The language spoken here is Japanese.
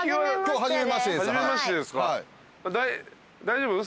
大丈夫？